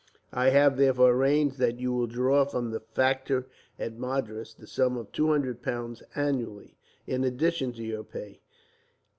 I have, therefore, arranged that you will draw from the factor at Madras the sum of two hundred pounds, annually, in addition to your pay.